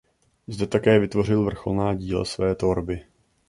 Zde také vytvořil vrcholná díla své tvorby.